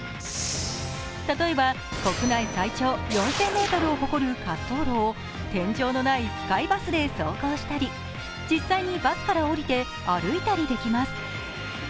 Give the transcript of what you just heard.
例えば、国内最長４０００ｍを誇る滑走路を天井のないスカイバスで走行したり、実際にバスから降りて歩いたりできます。